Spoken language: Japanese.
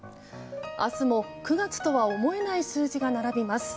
明日も９月とは思えない数字が並びます。